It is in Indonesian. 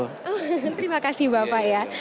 terima kasih bapak ya